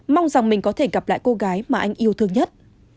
mong rằng mình có thể gặp lại cô gái mà anh yêu thương nhất